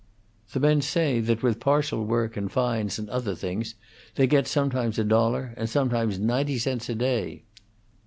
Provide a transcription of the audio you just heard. "The men say that with partial work, and fines, and other things, they get sometimes a dollar, and sometimes ninety cents a day."